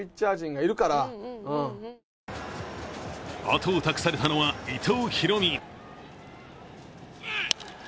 後を託されたのは伊藤大海。